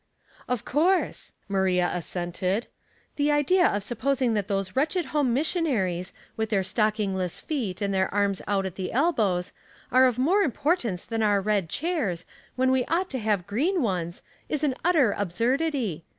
'' Of course," Maria assented. " The idea of supposing that those wretched home mis sionaries, with their stocking less feet and their arms out at the elbows, are of more import ance than our red chairs, when we ought to have green ones, is an utter absurdity.